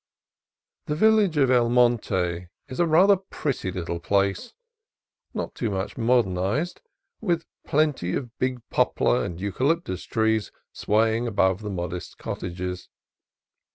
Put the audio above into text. The village of El Monte is a rather pretty little place, not too much modernized, with plenty of big poplar and eucalyptus trees swaying above the modest cottages.